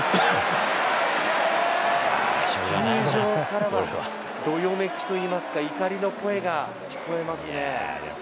球場からはどよめきといいますか、怒りの声が聞えますね。